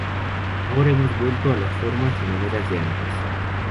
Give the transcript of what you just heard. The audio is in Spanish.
Ahora hemos vuelto a las formas y maneras de antes